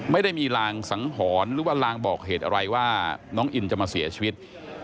ไม่ได้มีรางสังหรณ์หรือว่าลางบอกเหตุอะไรว่าน้องอินจะมาเสียชีวิต